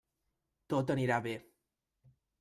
Tot anirà bé.